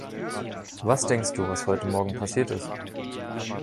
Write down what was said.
Was denkst du, was heute Morgen passiert ist?